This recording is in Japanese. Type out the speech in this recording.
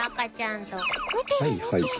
見てる見てる。